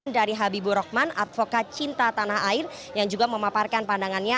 dari habibur rahman advokat cinta tanah air yang juga memaparkan pandangannya